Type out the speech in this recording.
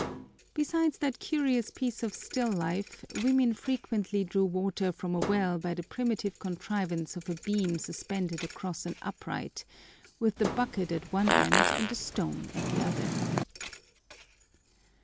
Besides that curious piece of still life, women frequently drew water from a well by the primitive contrivance of a beam suspended across an upright, with the bucket at one end and a stone at the other.